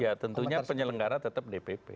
ya tentunya penyelenggara tetap dpp